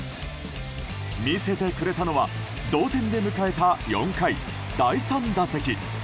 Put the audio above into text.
見せてくれたのは同点で迎えた４回、第３打席。